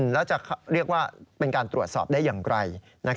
แล้วจะเรียกว่าเป็นการตรวจสอบได้อย่างไร